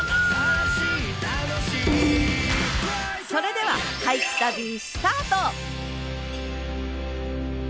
それでは俳句旅スタート！